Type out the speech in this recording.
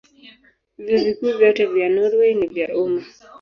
Vyuo Vikuu vyote vya Norwei ni vya umma.